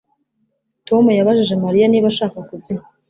Tom yabajije Mariya niba ashaka kubyina